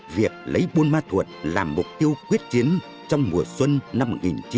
việc lấy buôn ma thuột làm mục tiêu quyết chiến trong mùa xuân năm một nghìn chín trăm bảy mươi năm